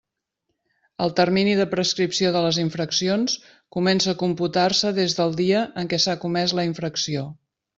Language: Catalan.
El termini de prescripció de les infraccions comença a computar-se des del dia en què s'ha comès la infracció.